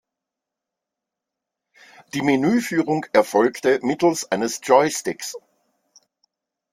Die Menüführung erfolgte mittels eines Joysticks.